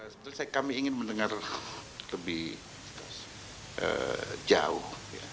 sebetulnya kami ingin mendengar lebih jauh